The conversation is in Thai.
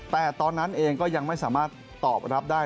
แต่ตอนนั้นเองก็ยังไม่สามารถตอบรับได้